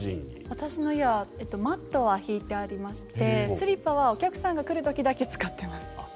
私の家はマットは敷いてありましてスリッパはお客さんが来る時だけ使っています。